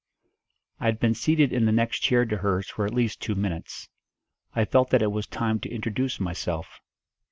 I had been seated in the next chair to hers for at least two minutes. I felt that it was time to introduce myself.